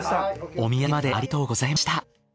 お土産までありがとうございました。